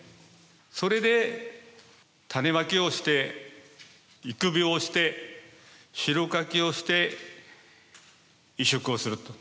それで種まきをして育苗して代かきをして移植をすると。